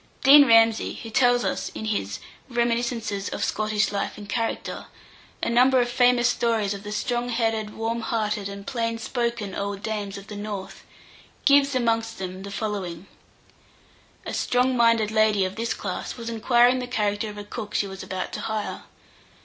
Dean Ramsay, who tells us, in his "Reminiscences of Scottish Life and Character," a number of famous stories of the strong headed, warm hearted, and plain spoken old dames of the north, gives, amongst them, the following: A strong minded lady of this class was inquiring the character of a cook she was about to hire.